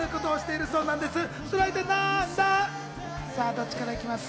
どっちからいきます？